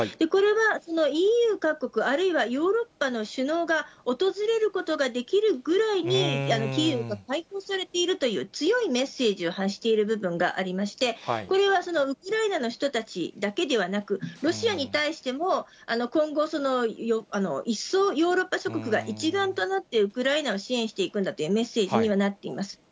これはそのＥＵ各国、あるいはヨーロッパの首脳が訪れることができるぐらいに、キーウがかいほうされているという強いメッセージを発している部分がありまして、これはウクライナの人たちだけではなく、ロシアに対しても今後、一層ヨーロッパ諸国が一丸となってウクライナを支援していくんだというメッセージにはなっています。